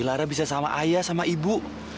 lara baunya sama ibu